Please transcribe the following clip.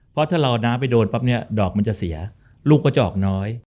เพราะถ้าเราเอาน้ำไปโดนปั๊บเนี่ยดอกมันจะเสียลูกก็จะออกน้อย